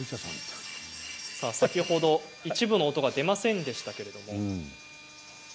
先ほど一部の音が出ませんでした。